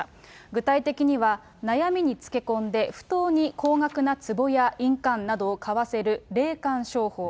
具体的には、悩みにつけ込んで、不当に高額なつぼや印鑑などを買わせる霊感商法。